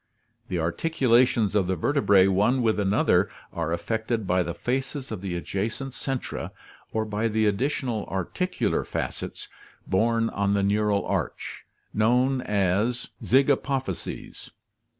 The articulations of the vertebrae one with another are effected by the faces of the adjacent centra (see PL III) or by the additional articular facets, borne on the neural arch, known as zygapophyses.